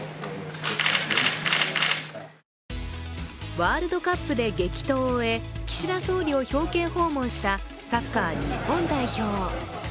ワールドカップで激闘を終え、岸田総理を表敬訪問したサッカー日本代表。